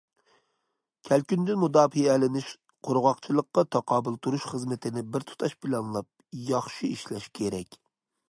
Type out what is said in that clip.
كەلكۈندىن مۇداپىئەلىنىش، قۇرغاقچىلىققا تاقابىل تۇرۇش خىزمىتىنى بىر تۇتاش پىلانلاپ ياخشى ئىشلەش كېرەك.